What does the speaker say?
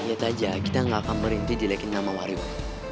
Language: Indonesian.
lihat aja kita gak akan merintih dilekin nama wariwa